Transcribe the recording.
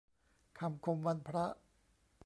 คำคมวันพระ